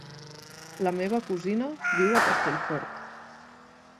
La meva cosina viu a Castellfort.